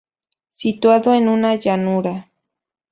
Situado en una llanura.